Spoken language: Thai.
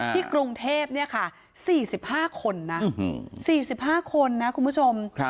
ที่กรุงเทพ๔๕คนนะ๔๕คนนะคุณผู้ชม